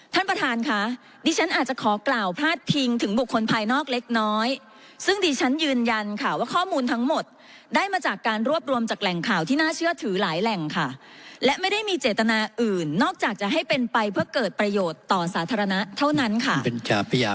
ท่านประธานค่ะดิฉันอาจจะขอกล่าวพลาดพิงถึงบุคคลภายนอกเล็กน้อยซึ่งดิฉันยืนยันค่ะว่าข้อมูลทั้งหมดได้มาจากการรวบรวมจากแหล่งข่าวที่น่าเชื่อถือหลายแหล่งค่ะและไม่ได้มีเจตนาอื่นนอกจากจะให้เป็นไปเพื่อเกิดประโยชน์ต่อสาธารณะเท่านั้นค่ะ